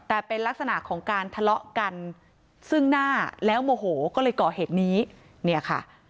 แต่เป็นลักษณะของการทะเลาะกันซึ่งหน้าแล้วโมโหก็เลยก่อเหตุนี้เนี่ยค่ะ